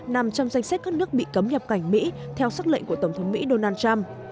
nằm trong danh sách các nước bị cấm nhập cảnh mỹ theo sắc lệnh của tổng thống mỹ donald trump